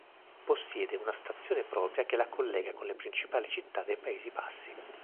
Possiede una stazione propria che la collega con le principali città dei Paesi Bassi.